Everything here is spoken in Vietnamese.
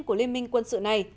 của liên minh quân sự này